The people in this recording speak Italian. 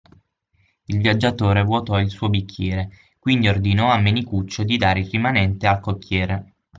Il viaggiatore vuotò il suo bicchiere, quindi ordinò a Menicuccio di dare il rimanente al cocchiere